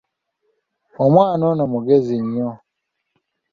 Omwana wange ono mugezi nnyo!